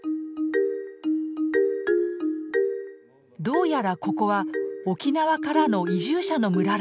どうやらここは沖縄からの移住者の村らしい。